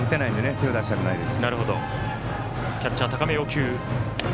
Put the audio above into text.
手を出したくないです。